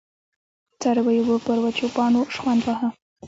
څارويو به پر وچو پاڼو شخوند واهه.